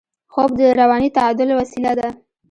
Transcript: خوب د رواني تعادل وسیله ده